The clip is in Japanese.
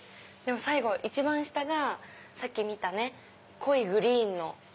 最後一番下がさっき見た濃いグリーンの。